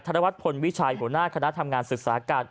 วัฒนพลวิชัยหัวหน้าคณะทำงานศึกษาการ